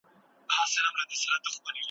مور د ماشوم لومړۍ ښوونکې وي.